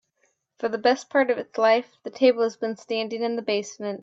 For the best part of its life, the table has been standing in the basement.